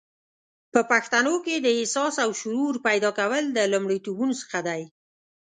په پښتنو کې د احساس او شعور پیدا کول د لومړیتوبونو څخه دی